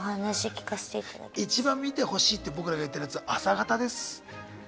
一番見てほしいって僕らが言ってるやつは朝方です。